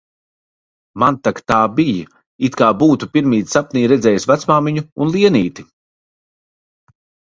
Man tak tā bij, it kā būtu pirmīt sapnī redzējis vecmāmiņu un Lienīti